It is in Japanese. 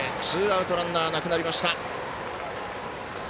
ツーアウトランナーなくなりました。